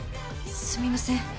すみません。